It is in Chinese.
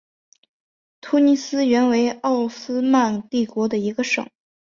突尼斯原为奥斯曼帝国的一个省。